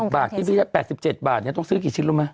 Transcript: ๘๐บาทที่พี่จะ๘๗บาทต้องซื้อกี่ชิ้นล่ะมั้ย